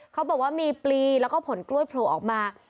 เขาบอกว่ามีปลีแล้วก็ผลกล้วยโผล่ออกมา